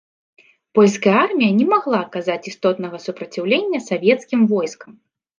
Польская армія не магла аказаць істотнага супраціўлення савецкім войскам.